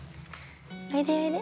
おいでおいで。